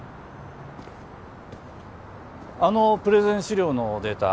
あのプレゼン資料のデータ